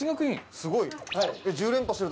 すごい。